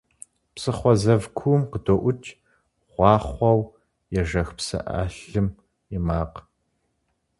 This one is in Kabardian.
Псыхъуэ зэв куум къыдоӀукӀ гъуахъуэу ежэх псы Ӏэлым и макъ.